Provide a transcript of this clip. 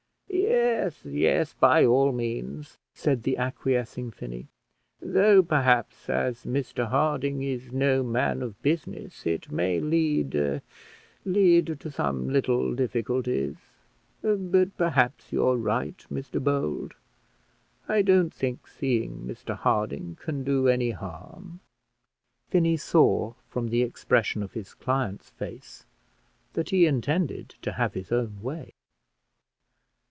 "Yes, yes, by all means," said the acquiescing Finney; "though, perhaps, as Mr Harding is no man of business, it may lead lead to some little difficulties; but perhaps you're right. Mr Bold, I don't think seeing Mr Harding can do any harm." Finney saw from the expression of his client's face that he intended to have his own way.